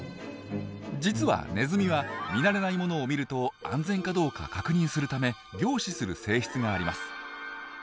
実はネズミは見慣れないものを見ると安全かどうか確認するため凝視する性質があります。